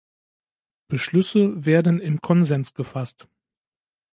Beschlüsse werden im Konsens gefasst.